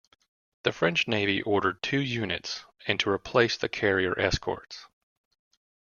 The French Navy ordered two units, and to replace the carrier escorts.